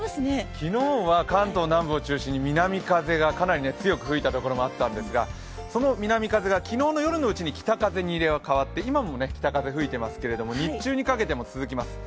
昨日は関東南部を中心に南風がかなり強く吹いたところもあったんですがその南風が夜のうちに北風に変わって、今も北風が吹いていますが、日中にかけても続きます。